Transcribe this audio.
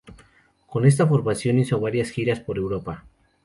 Con esta formación hizo varias giras por Europa.